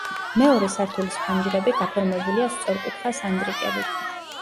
მეორე სართულის ფანჯრები გაფორმებულია სწორკუთხა სანდრიკებით.